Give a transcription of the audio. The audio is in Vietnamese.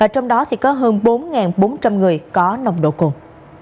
trong đó có hơn bốn bốn trăm linh người có nồng độ cồn